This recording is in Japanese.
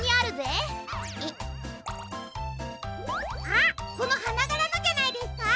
あっこのはながらのじゃないですか？